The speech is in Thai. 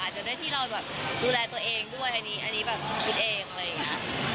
จะได้ที่เราดูแลตัวเองด้วยอันนี้แบบคิดเอง